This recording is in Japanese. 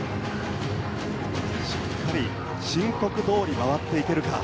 しっかり申告どおり回っていけるか。